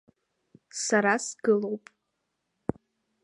Сара сгылоуп.